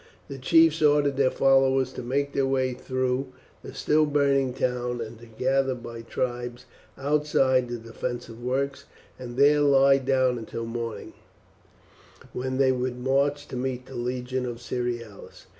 The chiefs ordered their followers to make their way through the still burning town and to gather by tribes outside the defensive works, and there lie down until morning, when they would march to meet the legion of Cerealis.